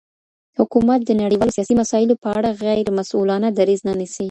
حکومت د نړیوالو سیاسي مسایلو په اړه غیر مسوولانه دریځ نه نیسي.